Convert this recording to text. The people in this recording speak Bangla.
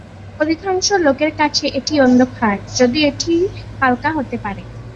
অধিকাংশ লোকের কাছে এটি অন্ধকার, যদিও এটি হালকা হতে পারে।